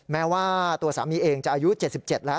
แม้ว่าตัวสามีเองจะอายุ๗๗แล้ว